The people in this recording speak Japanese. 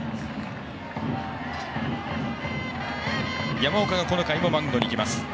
山岡がこの回もマウンドに行きます。